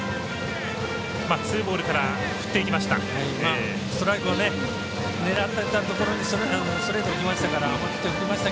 ツーボールから振っていきました。